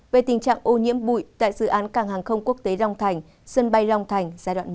về tình trạng ô nhiễm bụi tại dự án cảng hàng không quốc tế long thành sân bay long thành giai đoạn một